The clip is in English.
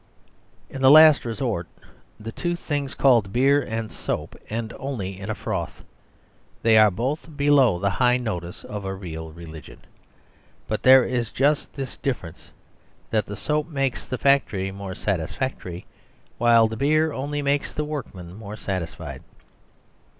In the last resort the two things called Beer and Soap end only in a froth. They are both below the high notice of a real religion. But there is just this difference: that the soap makes the factory more satisfactory, while the beer only makes the workman more satisfied.